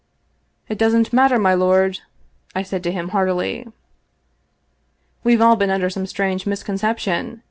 " It doesn't matter, my lord," I said to him heartily. " We've all been under some strange misconception.